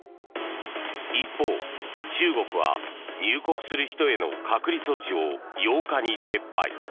一方、中国は入国する人への隔離措置を８日に撤廃。